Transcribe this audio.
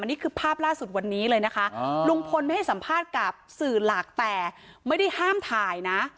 นี่คือภาพล่าสุดวันนี้เลยนะคะลุงพลไม่ให้สัมภาษณ์กับสื่อหลักแต่ไม่ได้ห้ามถ่ายนะ